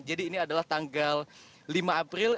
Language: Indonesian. jadi ini adalah tanggal lima april